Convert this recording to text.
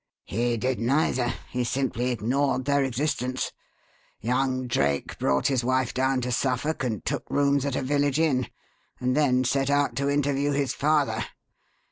"He did neither; he simply ignored their existence. Young Drake brought his wife down to Suffolk and took rooms at a village inn, and then set out to interview his father.